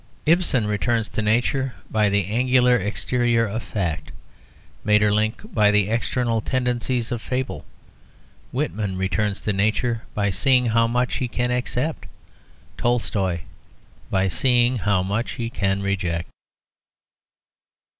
Ibsen returns to nature by the angular exterior of fact, Maeterlinck by the eternal tendencies of fable. Whitman returns to nature by seeing how much he can accept, Tolstoy by seeing how much he can reject.